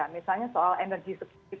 misalnya soal energi segera